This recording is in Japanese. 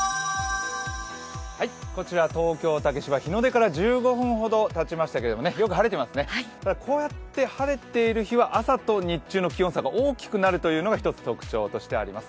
こちら東京・竹芝、日の出から１５分ほどたちましたけどよく晴れていますね、こうやって晴れている日は朝と昼の気温差が大きくなるというのがひとつ特徴としてあります。